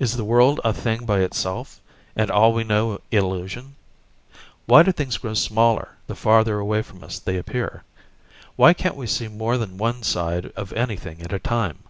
Is the world a thing by itself, and all we know illusion? Why do things grow smaller the farther away from us they appear? Why can't we see more than one side of anything at a time?